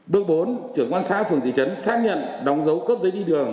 đội bốn trưởng công an xã phường thị trấn xác nhận đóng dấu cấp giấy đi đường